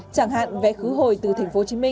chẳng hạn vé khứ hồi từ tp hcm